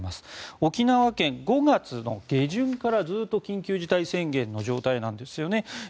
沖縄県は５月下旬からずっと緊急事態宣言の状態なんですよね。